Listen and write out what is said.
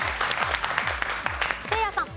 せいやさん。